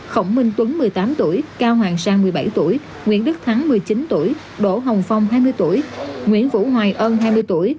khổng minh tuấn một mươi tám tuổi cao hoàng sang một mươi bảy tuổi nguyễn đức thắng một mươi chín tuổi đỗ hồng phong hai mươi tuổi nguyễn vũ hoài ân hai mươi tuổi